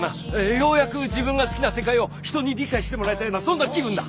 ようやく自分が好きな世界を人に理解してもらえたようなそんな気分だ。